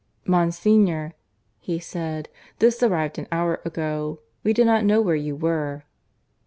"Monsignor," he said, "this arrived an hour ago. We did not know where you were."